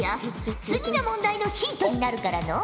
次の問題のヒントになるからのう。